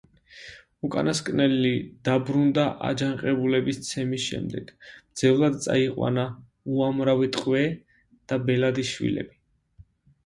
უკანასკნელი დაბრუნდა აჯანყებულების ცემის შემდეგ, მძევლად წაიყვანა უამრავი ტყვე და ბელადის შვილები.